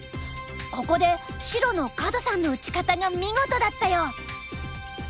ここで白の角さんの打ち方が見事だったよ。